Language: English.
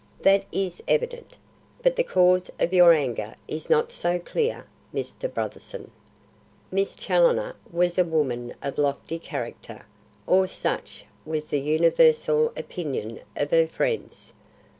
"That is evident. But the cause of your anger is not so clear, Mr. Brotherson. Miss Challoner was a woman of lofty character, or such was the universal opinion of her friends.